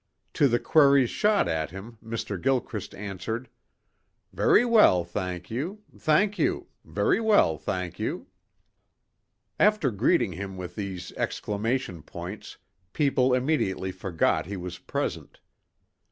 To the queries shot at him Mr. Gilchrist answered, "Very well, thank you. Thank you. Very well, thank you." After greeting him with these exclamation points, people immediately forgot he was present.